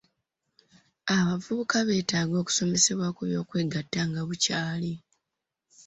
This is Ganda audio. Abavubuka beetaaga okusomesebwa ku by'okwegatta nga bukyali.